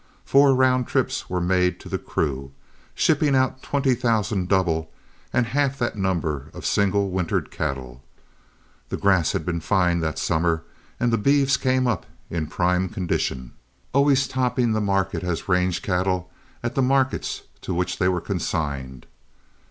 Four round trips were made to the crew, shipping out twenty thousand double and half that number of single wintered cattle. The grass had been fine that summer, and the beeves came up in prime condition, always topping the market as range cattle at the markets to which they were consigned.